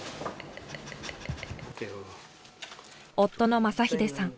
夫の雅英さん。